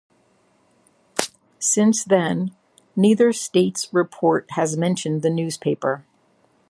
Since then, neither state's report has mentioned the newspaper.